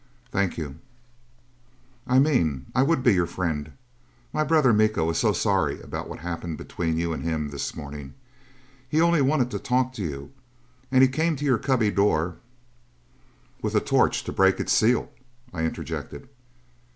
"Thank you." "I mean, I would be your friend. My brother Miko is so sorry about what happened between you and him this morning. He only wanted to talk to you, and he came to your cubby door " "With a torch to break its seal," I interjected.